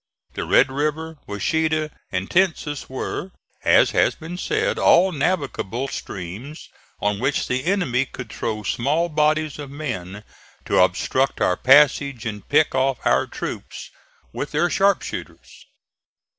The Red River, Washita and Tensas were, as has been said, all navigable streams, on which the enemy could throw small bodies of men to obstruct our passage and pick off our troops with their sharpshooters.